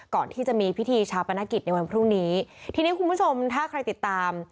ก่อนที่จะมีพิธีชาปนกิจในวันพรุ่งนี้ทีนี้คุณผู้ชมถ้าใครติดตาม